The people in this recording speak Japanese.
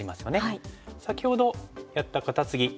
先ほどやったカタツギ